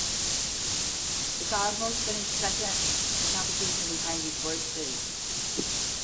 The Cosmos finished second in the competition behind Detroit City.